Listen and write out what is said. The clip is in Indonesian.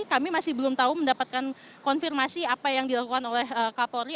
kami masih belum tahu mendapatkan konfirmasi apa yang dilakukan oleh kapolri